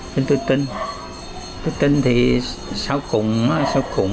tôi tin tôi tin thì sau cùng sau cùng